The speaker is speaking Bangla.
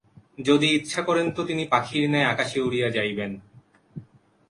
যদি ইচ্ছা করেন তো তিনি পাখীর ন্যায় আকাশে উড়িয়া যাইবেন।